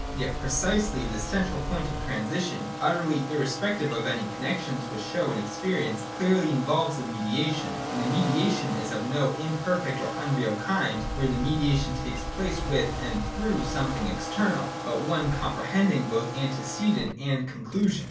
Yet precisely this central point of transi tion, utterly irrespective of any connexions which show in experience, clearly involves a mediation. And the 69 71.] MEDIATE AND IMMEDIATE. 133 mediation is of no imperfect or unreal kind, where the mediation takes place with and through something external, but one comprehending both antecedent and conclusion.